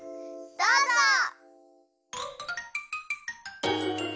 どうぞ！